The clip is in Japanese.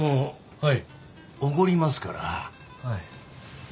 はい！